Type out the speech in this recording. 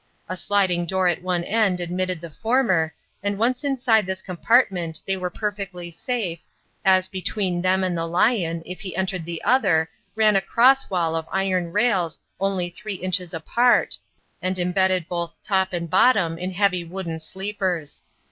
A sliding door at one end admitted the former, and once inside this compartment they were perfectly safe, as between them and the lion, if he entered the other, ran a cross wall of iron rails only three inches apart, and embedded both top and bottom in heavy wooden sleepers.